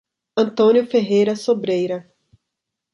Antônio Ferreira Sobreira